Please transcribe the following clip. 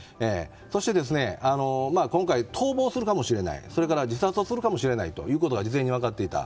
そして今回逃亡するかもしれないそれから自殺をするかもしれないということは事前に分かっていた。